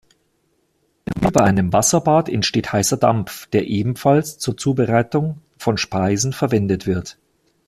Über einem Wasserbad entsteht heißer Dampf, der ebenfalls zur Zubereitung von Speisen verwendet wird.